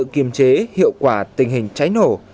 tuy nhiên để thực sự kiềm chế hiệu quả tình hình cháy nổ